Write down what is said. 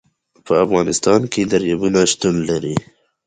په افغانستان کې دریابونه شتون لري.